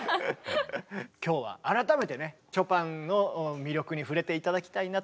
今日は改めてねショパンの魅力に触れて頂きたいなという回を。